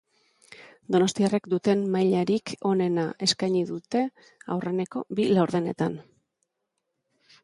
Donostiarrek duten mailarik onena eskaini dute aurreneko bi laurdenetan.